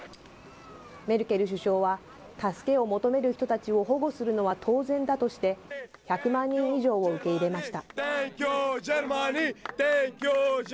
メルケル首相は、助けを求める人たちを保護するのは当然だとして、１００万人以上を受け入れました。